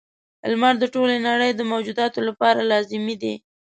• لمر د ټولې نړۍ د موجوداتو لپاره لازمي دی.